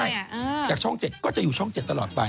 อยากช่อง๗ก็อยู่ช่อง๗ตลอดไป